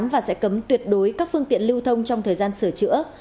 và sẽ cấm tuyệt đối các phương tiện lưu thông trong thời gian sửa chữa